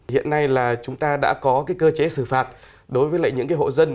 hiện nay là chúng ta đã có cơ chế xử phạt đối với những hộ dân